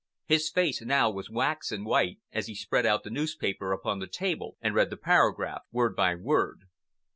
His face now was waxen white as he spread out the newspaper upon the table and read the paragraph word by word.